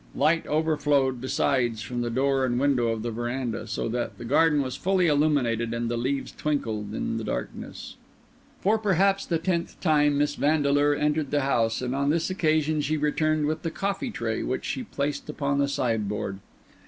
Light overflowed besides from the door and window in the verandah, so that the garden was fairly illuminated and the leaves twinkled in the darkness. For perhaps the tenth time Miss Vandeleur entered the house; and on this occasion she returned with the coffee tray, which she placed upon the sideboard.